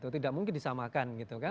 tidak mungkin disamakan